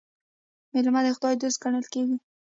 میلمه د خدای دوست ګڼل کیږي.